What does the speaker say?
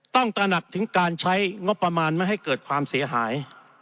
ตระหนักถึงการใช้งบประมาณไม่ให้เกิดความเสียหาย